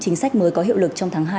chính sách mới có hiệu lực trong tháng hai